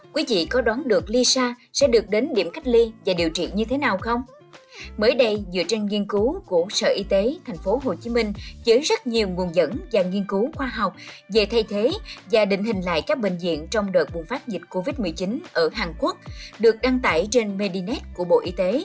mới đây dựa trên nghiên cứu của sở y tế tp hcm với rất nhiều nguồn dẫn và nghiên cứu khoa học về thay thế và định hình lại các bệnh viện trong đợt bùng phát dịch covid một mươi chín ở hàn quốc được đăng tải trên medinet của bộ y tế